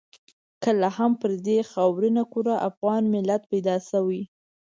کله هم پر دې خاورینه کره افغان ملت پیدا شوی.